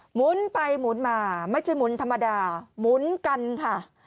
หมุนไปหมุนมาไม่ใช่หมุนธรรมดาหมุนกันค่ะ